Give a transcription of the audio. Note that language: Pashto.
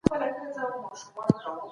حقوقپوهان د سولي په خبرو کي څه غواړي؟